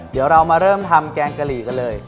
เดี๋ยวเรามาเริ่มทำแกงกะหรี่กันเลย